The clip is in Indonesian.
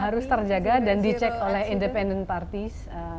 harus terjaga dan dicek oleh independent parties